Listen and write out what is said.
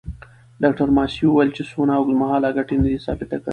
ډاکټره ماسي وویل چې سونا اوږدمهاله ګټې ندي ثابته کړې.